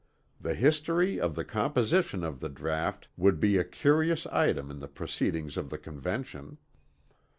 The history of the composition of the draught would be a curious item in the proceedings of the Convention."